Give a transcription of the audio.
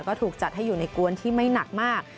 ก็ถูกจัดให้อยู่ในกวนที่ไม่หนักมาก